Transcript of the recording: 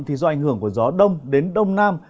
thì do ảnh hưởng của gió đông đến đông nam